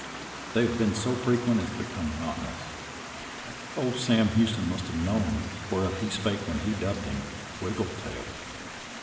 They have been so frequent as to become monotonous. Old Sam Houston must have known whereof he spake when he dubbed him " Wiggletail."